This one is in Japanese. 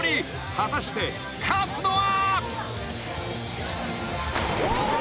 ［果たして勝つのは］